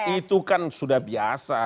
itu kan sudah biasa